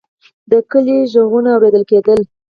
د کلي غږونه اورېدل کېدل.